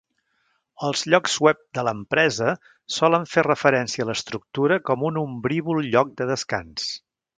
Els llocs web de l'empresa solen fer referència a l'estructura com un "ombrívol lloc de descans".